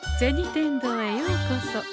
天堂へようこそ。